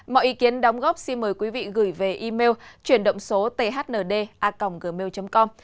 mọi ý kiến đóng góp xin mời quý vị gửi về email chuyển động số thnda gmail com